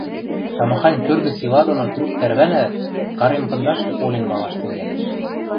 Тамахань кӧргӹ сила доно трӱк тӓрвӓнӓӓт, карем пындашкы олен валаш тӹнгӓлеш.